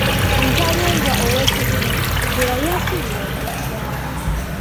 Ntalumbwa ow'e Kibuli, gwe yali asuubira okujja.